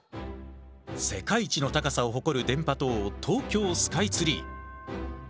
世界一の高さを誇る電波塔東京スカイツリー。